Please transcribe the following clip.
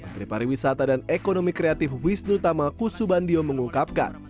pakri pariwisata dan ekonomi kreatif wisnu tama kusubandio mengungkapkan